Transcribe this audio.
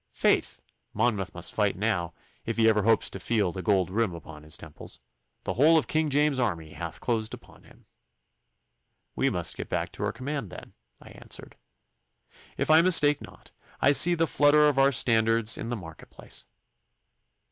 Faith! Monmouth must fight now, if he ever hopes to feel the gold rim upon his temples. The whole of King James's army hath closed upon him.' 'We must get back to our command, then,' I answered. 'If I mistake not, I see the flutter of our standards in the market place.